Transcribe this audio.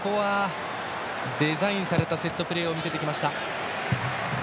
デザインされたセットプレーを見せてきました。